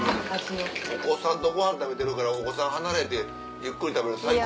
お子さんとご飯食べてるからお子さん離れてゆっくり食べるの最高でしょ。